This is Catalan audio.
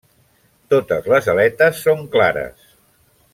Totes les aletes són clares.